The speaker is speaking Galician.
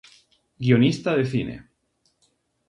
Guionista de cine.